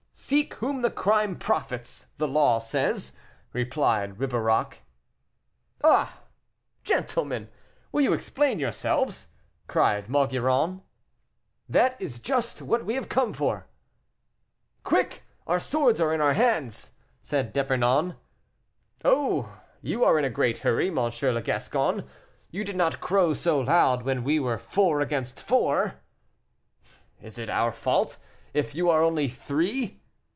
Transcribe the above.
"'Seek whom the crime profits,' the law says," replied Ribeirac. "Ah! gentlemen, will you explain yourselves?" cried Maugiron. "That is just what we have come for." "Quick! our swords are in our hands!" said D'Epernon. "Oh! you are in a great hurry, M. le Gascon; you did not crow so loud when we were four against four!" "Is it our fault, if you are only three?"